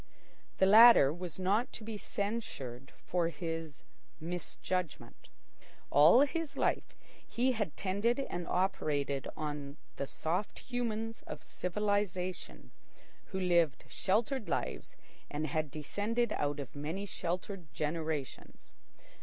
The latter was not to be censured for his misjudgment. All his life he had tended and operated on the soft humans of civilisation, who lived sheltered lives and had descended out of many sheltered generations.